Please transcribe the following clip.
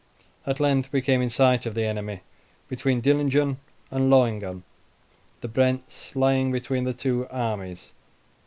At length we came in sight of the enemy between Dillingen and Lawingen, the Brentz lying between the two armies.